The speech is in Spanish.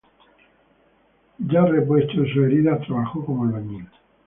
Ya repuesto de sus heridas trabajó como albañil.